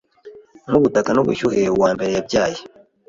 Nkubutaka nubushyuhe uwambere yabyaye